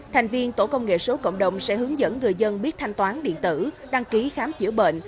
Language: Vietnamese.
thành viên tổ công nghệ số cộng đồng sẽ hướng dẫn người dân biết thanh toán điện tử đăng ký khám chữa bệnh